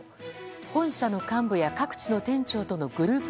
本社の幹部や各地の店長とのグループ